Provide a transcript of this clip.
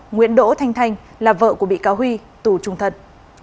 nguyễn đỗ thanh thanh là vợ của bị cáo huy tù trung thân